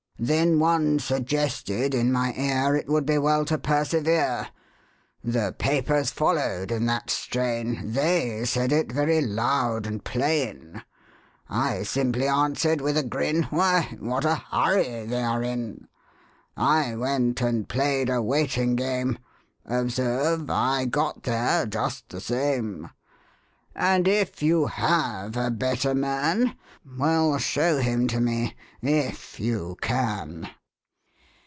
Then One suggested, in my ear, It would be well to persevere. The papers followed in that strain, They said it very loud and plain. I simply answered with a grin, " Why, what a hurry they are in !" I went and played a waiting game; Observe, I got there just the same. And if you have a better man, Well, show him to me, // you can.